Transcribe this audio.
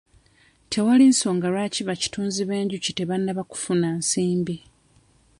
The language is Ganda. Tewali nsonga lwaki bakitunzi b'enjuki tebannaba kufuna nsimbi.